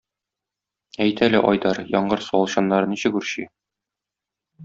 Әйт әле, Айдар, яңгыр суалчаннары ничек үрчи?